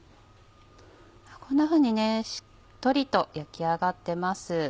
こんなふうにしっとりと焼き上がってます。